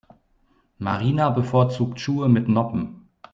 Marina bevorzugt Schuhe mit Noppen.